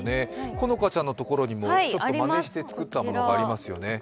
好花ちゃんのところにもまねして作ったものがありますね。